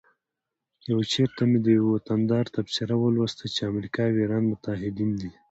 یو چیرته مې د یوه وطندار تبصره ولوسته چې امریکا او ایران متعهدین دي